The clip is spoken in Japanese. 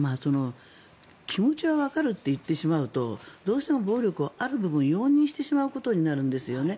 気持ちはわかると言ってしまうとどうしても暴力をある部分、容認してしまうことになるんですよね。